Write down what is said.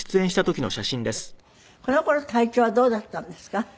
この頃体調はどうだったんですか？